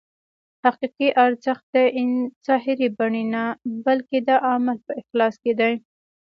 حقیقي ارزښت د ظاهري بڼې نه بلکې د عمل په اخلاص کې دی.